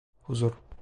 Huzur.